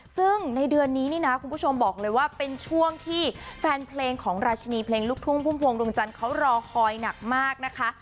ซึ่งในเดือนนี้นี่นะคุณผู้ชมบอกเลยว่าเป็นช่วงที่แฟนเพลงของราชินีเพลงลูกทุ่งพุ่มพวงดวงจันทร์เขารอคอยหนักมากนะคะ